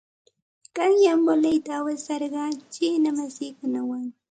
Qanyan voleyta awasarqaa chiina masiikunawan.